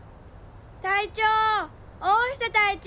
隊長大下隊長